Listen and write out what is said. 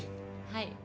はい。